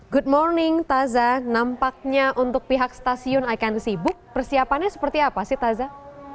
good morning tazah nampaknya untuk pihak stasiun i can see book persiapannya seperti apa sih tazah